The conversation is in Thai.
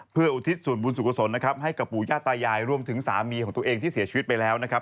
เพื่ออุทิศส่วนบุญสุขศลนะครับให้กับปู่ย่าตายายรวมถึงสามีของตัวเองที่เสียชีวิตไปแล้วนะครับ